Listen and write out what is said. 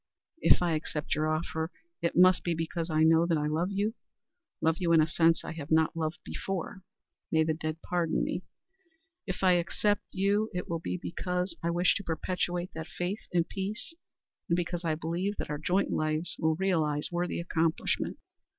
If I accept your offer, it must be because I know that I love you love you in a sense I have not loved before may the dead pardon me! If I accept you it will be because I wish to perpetuate that faith and peace, and because I believe that our joint lives will realize worthy accomplishment."